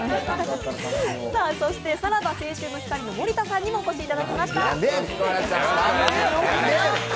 そしてさらば青春の光の森田さんにもお越しいただきました。